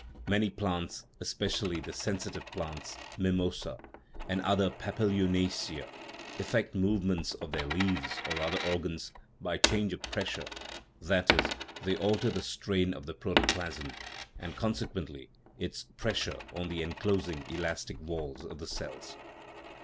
Many plants, especially the sensitive plants (mimosa) and other papilionacea, effect movements of their leaves or other organs by change of pressure that is, they alter the strain of the protoplasm, and, consequently, its pressure on the enclosing elastic walls of the cells.